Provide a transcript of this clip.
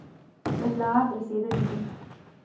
اطلاعات رسېدلي دي.